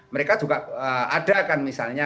mereka juga ada kan misalnya